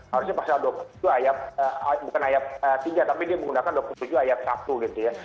harusnya pasal dua puluh tujuh bukan ayat tiga tapi dia menggunakan dua puluh tujuh ayat satu gitu ya